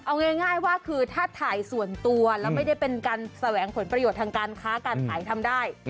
เอาง่ายว่าคือถ้าถ่ายส่วนตัวแล้วไม่ได้เป็นการแสวงผลประโยชน์ทางการค้าการขายทำได้